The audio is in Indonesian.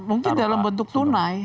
mungkin dalam bentuk tunai